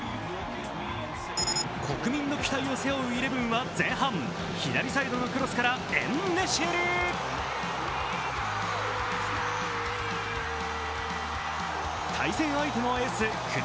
国民の期待を背負うイレブンは前半、左サイドのクロスからエン＝ネシリ。